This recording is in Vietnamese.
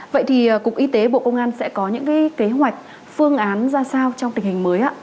vậy thì cục y tế bộ công an sẽ có những kế hoạch phương án ra sao trong tình hình mới